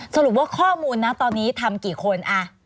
สรุปว่าข้อมูลนะตอนนี้ทำกี่คน